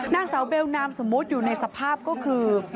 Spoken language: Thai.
นางสาวเบลนามสมมุติอยู่ในสภาพก็คือ